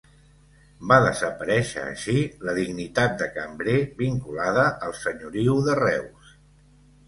Va desaparèixer així la dignitat de Cambrer vinculada al senyoriu de Reus.